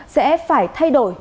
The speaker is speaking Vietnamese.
sẽ phải thay đổi